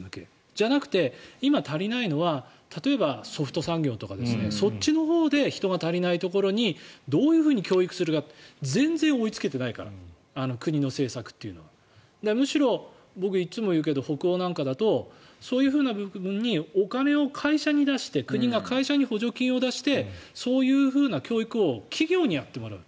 じゃなくて、今足りないのは例えばソフト産業とかそっちのほうで人が足りないところにどういうふうに教育するか。全然追いつけてないから国の政策というのは。むしろ、僕いつも言うけど北欧なんかだとそういう部分にお金を会社に出して国が会社に補助金を出してそういう教育を企業にやってもらう。